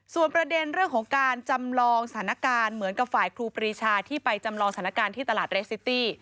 ส่วนประเด็นเรื่องของการจำลองสถานการณ์เหมือนกับฝ่ายครูปรีชาที่ไปจำลองสถานการณ์ที่ตลาดเรสซิตี้